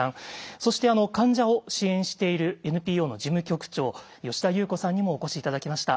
そして患者を支援しているＮＰＯの事務局長吉田由布子さんにもお越し頂きました。